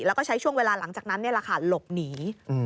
แล้วก็ใช้ช่วงเวลาหลังจากนั้นนี่แหละค่ะหลบหนี